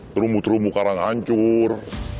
terumu terumu karang hancur